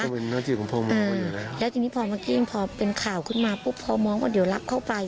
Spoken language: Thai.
อืมแล้วทีนี้พอเมื่อกี้พอเป็นข่าวขึ้นมาพบพอมองว่าเดี๋ยวรับเข้าไป